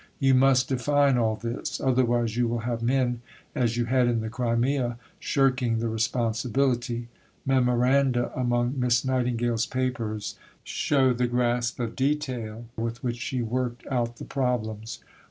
You must define all this. Otherwise you will have men, as you had in the Crimea, shirking the responsibility." Memoranda among Miss Nightingale's papers show the grasp of detail with which she worked out the problems.